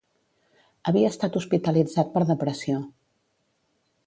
Havia estat hospitalitzat per depressió.